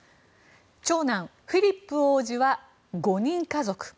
長男、フィリップ王子は５人家族。